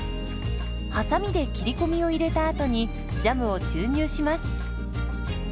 はさみで切り込みを入れたあとにジャムを注入します。